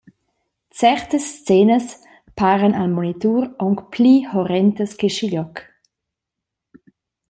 Certas scenas paran al monitur aunc pli horrentas che schiglioc.